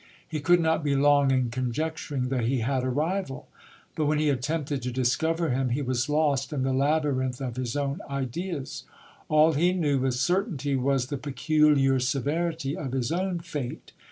He could not be long in conjecturing that he had a rival, but when he attempted to discover him he was lost in the labyrinth of his own ideas. All he knew with certainty, was the peculiar severity of his own fate.